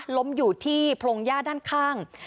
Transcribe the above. ล้มอยู่ที่พรงย่าด้านข้าง